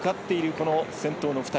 この先頭の２人。